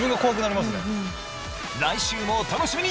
来週もお楽しみに！